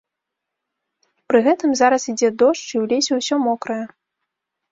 Пры гэтым зараз ідзе дождж і ў лесе ўсё мокрае.